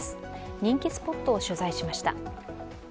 人気スポットを取材しました。